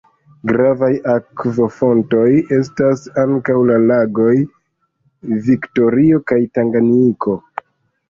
Gravaj akvofontoj estas ankaŭ la lagoj Viktorio kaj Tanganjiko.